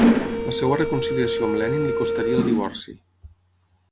La seva reconciliació amb Lenin li costaria el divorci.